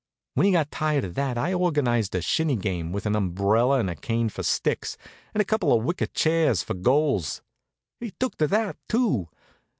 When he got tired of that I organized a shinny game, with an umbrella and a cane for sticks, and a couple of wicker chairs for goals. He took to that, too.